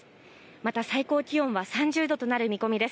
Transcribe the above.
また最高気温は３０度となる見込みです。